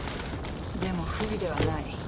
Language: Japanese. でも不備ではない。